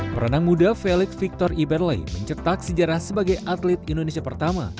perenang muda felix victor iberley mencetak sejarah sebagai atlet indonesia pertama